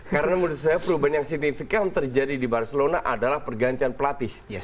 karena menurut saya perubahan yang signifikan terjadi di barcelona adalah pergantian pelatih